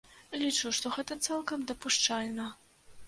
Лічу, што гэта цалкам дапушчальна.